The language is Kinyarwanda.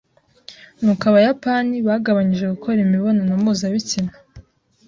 ni uko Abayapani bagabanyije gukora imibonano mpuzabitsina